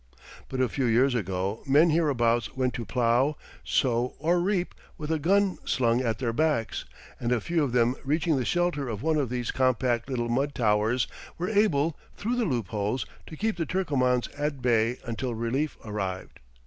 But a few years ago men hereabouts went to plough, sow, or reap with a gun slung at their backs, and a few of them reaching the shelter of one of these compact little mud towers were able, through the loop holes, to keep the Turcomans at bay until relief arrived.